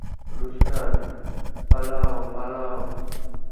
Rooster, পালাও, পালাও!